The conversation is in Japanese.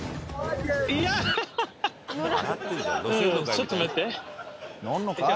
ちょっと待って。